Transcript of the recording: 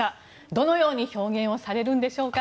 どのように表現されるんでしょうか。